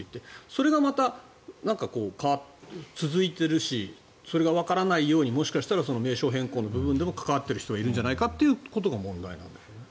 それが続いているしそれがわからないようにもしかしたら名称変更の部分でも関わっている人がいるんじゃないかというのが問題なんだよね。